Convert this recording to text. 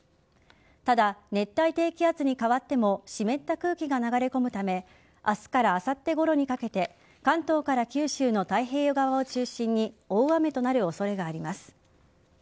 ただ、熱帯低気圧に変わっても湿った空気が流れ込むため明日からあさってごろにかけて関東から九州の太平洋側を中心に大雨となる恐れがあります。